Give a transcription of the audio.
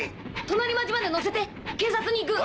隣町まで乗せて警察に行く。